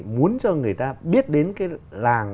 muốn cho người ta biết đến cái làng